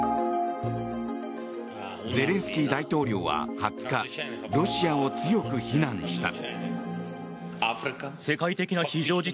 ゼレンスキー大統領は２０日ロシアを強く非難した。